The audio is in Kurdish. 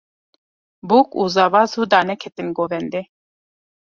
Bûk û zava zû daneketin govendê.